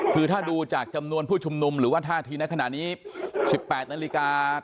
คือถ้าดูจากจำนวนผู้ชุมนุมหรือว่าท่าทีในขณะนี้๑๘นาฬิกา